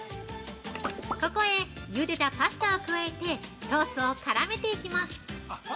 ◆ここへゆでたパスタを加えてソースを絡めていきます。